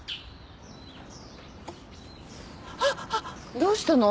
どうしたの？